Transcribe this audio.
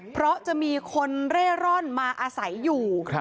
เพราะจะมีคนเร่ร่อนมาอาศัยอยู่